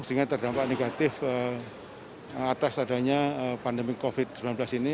sehingga terdampak negatif atas adanya pandemi covid sembilan belas ini